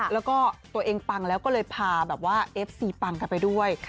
แล้วก็ตัวเองปังแล้วก็เลยพาแบบว่าเอฟซีปังกันไปด้วย